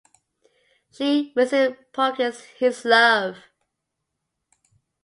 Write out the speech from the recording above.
She reciprocates his love.